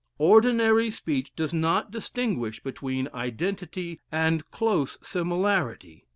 Ordinary speech does not distinguish between identity and close similarity.